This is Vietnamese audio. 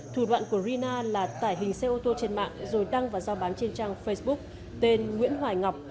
thủ đoạn của rina là tải hình xe ô tô trên mạng rồi đăng và giao bán trên trang facebook tên nguyễn hoài ngọc